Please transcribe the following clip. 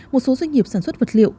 một số doanh nghiệp sản xuất vật liệu